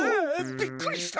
びっくりした！